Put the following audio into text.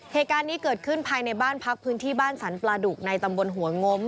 เหตุการณ์นี้เกิดขึ้นภายในบ้านพักพื้นที่บ้านสรรปลาดุกในตำบลหัวงม